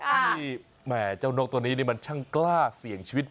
แหม่เจ้านกตัวนี้นี่มันช่างกล้าเสี่ยงชีวิต